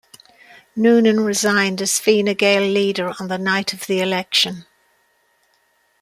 Noonan resigned as Fine Gael leader on the night of the election.